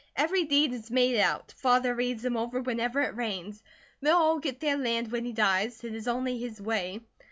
"Every deed is made out. Father reads them over whenever it rains. They'll all get their land when he dies. It is only his way."